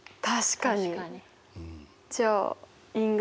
確かに！